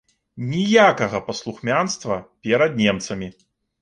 Ніякага паслухмянства перад немцамі!